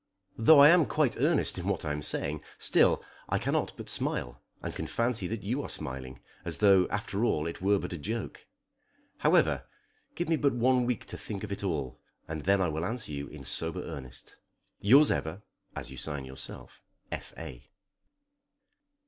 Though I am quite earnest in what I am saying, still I cannot but smile, and can fancy that you are smiling, as though after all it were but a joke. However, give me but one week to think of it all, and then I will answer you in sober earnest. Yours ever (as you sign yourself), F. A.